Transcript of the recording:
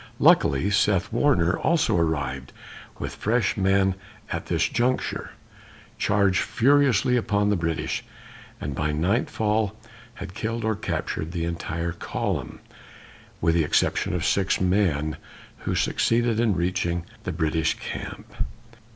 Luckily, Seth Warner also arrived with fresh men at this juncture, charged furiously upon the British, and by nightfall had killed or captured the entire column, with the exception of six men, who succeeded in reaching the British camp.